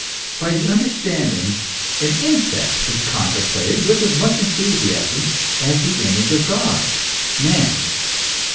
By the understanding an insect is contemplated with as much enthusiasm as the image of God man.